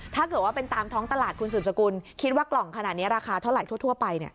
ถ้าเกิดว่าเป็นตามท้องตลาดคุณสืบสกุลคิดว่ากล่องขนาดนี้ราคาเท่าไหร่ทั่วไป